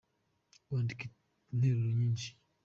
Wandike interuro nyishi.